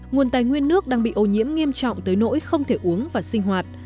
nguồn tài nguyên nước đang bị ô nhiễm nghiêm trọng tới nỗi không thể uống và sinh hoạt